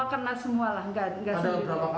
kemanusiaan ini membantu loh ya